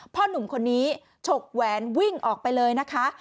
หนุ่มคนนี้ฉกแหวนวิ่งออกไปเลยนะคะ